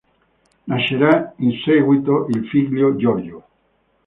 Nascerà in seguito il figlio Giorgio.